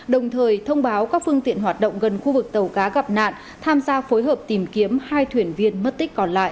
đồng thời thông báo các phương tiện hoạt động gần khu vực tàu cá gặp nạn tham gia phối hợp tìm kiếm hai thuyền viên mất tích còn lại